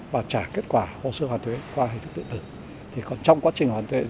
và trả kết quả hồ sơ hoàn thuế qua hình thức điện tử